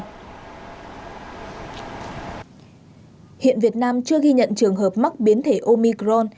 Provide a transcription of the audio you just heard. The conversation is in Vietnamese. hiện việt nam chưa ghi nhận trường hợp mắc biến thể omicron